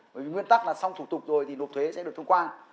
bởi vì nguyên tắc là xong thủ tục rồi thì nộp thuế sẽ được thông qua